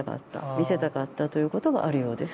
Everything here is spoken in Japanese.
見せたかったということがあるようです。